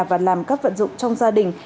và làm các vận dụng trong gia đình